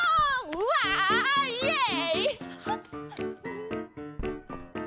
うわイエイ！